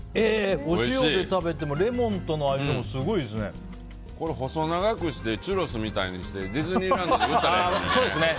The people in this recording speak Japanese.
お塩で食べてもレモンとの相性も細長くしてチュロスみたいにしてディズニーランドで売ったらそうですね。